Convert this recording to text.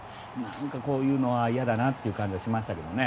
こういうのは嫌だなって感じはしましたけどね。